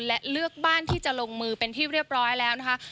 และเลือกบ้านที่จะลงมือเป็นที่เรียบร้อยแล้วนะคะ